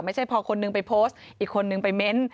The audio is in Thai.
ไม่ใช่พอคนนึงไปโพสต์อีกคนนึงไปเม้น